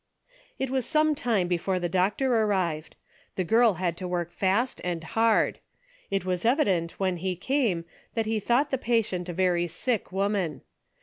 It was some time before the doctor arrived. The girl had to work fast and hard. It was evident when he came that he thought the patient a very sick woman.